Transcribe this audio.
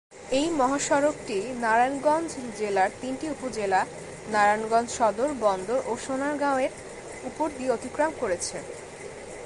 এ মহাসড়কটি নারায়ণগঞ্জ জেলার তিনটি উপজেলা নারায়ণগঞ্জ সদর, বন্দর এবং সোনারগাঁও এর উপর দিয়ে অতিক্রম করেছে।